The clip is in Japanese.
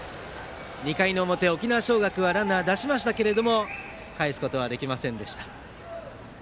２回の表、沖縄尚学はランナーを出しましたがかえすことはできませんでした。